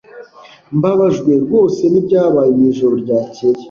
Mbabajwe rwose nibyabaye mwijoro ryakeye.